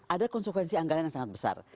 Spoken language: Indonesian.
ada konsekuensi anggaran yang sangat besar